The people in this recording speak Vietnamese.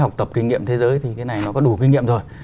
học tập kinh nghiệm thế giới thì cái này nó có đủ kinh nghiệm rồi